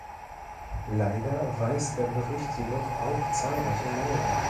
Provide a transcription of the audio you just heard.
Leider weist der Bericht jedoch auch zahlreiche Mängel auf.